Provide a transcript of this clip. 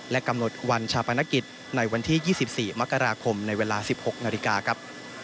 กำหนดวันชาปนกิจในวันที่๒๔มกราคมในเวลา๑๖นาฬิกาครับ